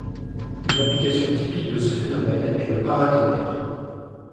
Une application typique de ce phénomène est le paratonnerre.